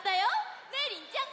ねえりんちゃん！